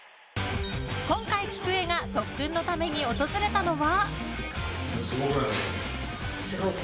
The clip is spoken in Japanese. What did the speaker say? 今回、きくえが特訓のために訪れたのは。